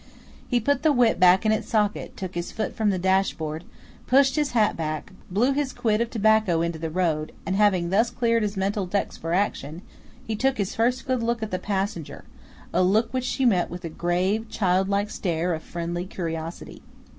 He put the whip back in its socket, took his foot from the dashboard, pushed his hat back, blew his quid of tobacco into the road, and having thus cleared his mental decks for action, he took his first good look at the passenger, a look which she met with a grave, childlike stare of friendly curiosity.